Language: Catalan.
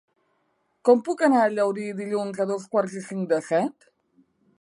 Com puc anar a Llaurí dilluns a dos quarts i cinc de set?